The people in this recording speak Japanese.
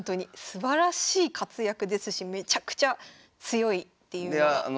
すばらしい活躍ですしめちゃくちゃ強いっていうのは。